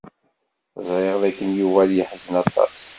Ẓriɣ dakken Yuba ad yeḥzen aṭas.